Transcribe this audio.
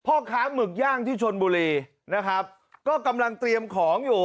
พ่อค้าหมึกย่างที่ชนบุรีนะครับก็กำลังเตรียมของอยู่